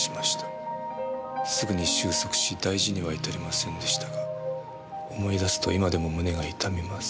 「すぐに収束し大事には至りませんでしたが思い出すと今でも胸が痛みます」